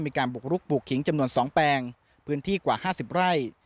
มีการบุกรุกปลูกขิงจำนวน๒แปลงพื้นที่กว่า๕๐ไร่